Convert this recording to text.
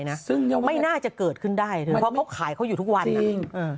ซึ่งไม่น่าจะเกิดขึ้นได้เธอเพราะเขาขายเขาอยู่ทุกวันนะ